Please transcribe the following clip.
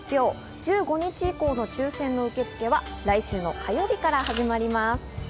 １５日以降の抽選の受付は来週の火曜日から始まります。